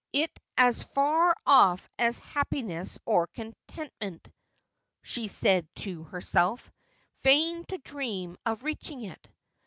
' It as far off as happiness or contentment,' she said to her self ;' vain to dream of reaching it.'